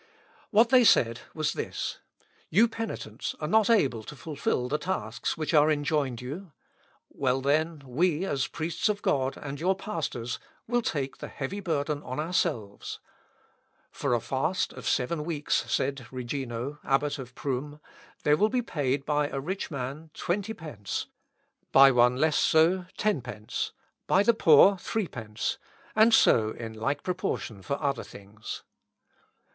What they said was this: "You penitents are not able to fulfil the tasks which are enjoined you? Well, then, we, priests of God, and your pastors, will take the heavy burden on ourselves. For a fast of seven weeks," says Regino, Abbot of Prum, "there will be paid by a rich man twentypence, by one less so tenpence, by the poor threepence, and so in like proportion for other things."